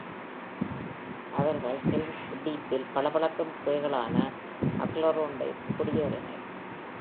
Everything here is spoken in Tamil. அவர்கள் ஹெல்ம்ஸ் டீப்பில் பளபளக்கும் குகைகளான அக்லாரோண்டை குடியேறினர்